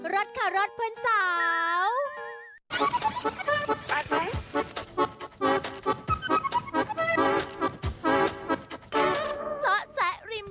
รสค่ะรสเพื่อนชาย